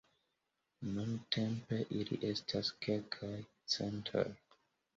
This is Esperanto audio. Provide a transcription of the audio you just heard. Nuntempe ili estas kelkaj centoj.